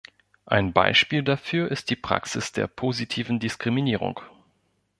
Ein Beispiel dafür ist die Praxis der positiven Diskriminierung.